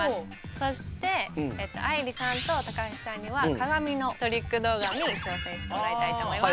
そして愛莉さんと高橋さんには鏡のトリック動画に挑戦してもらいたいと思います。